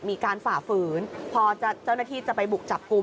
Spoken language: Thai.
ฝ่าฝืนพอเจ้าหน้าที่จะไปบุกจับกลุ่ม